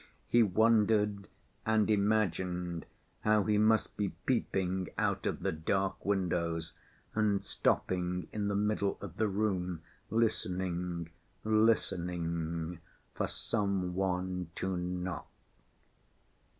He wondered and imagined how he must be peeping out of the dark windows and stopping in the middle of the room, listening, listening—for some one to knock.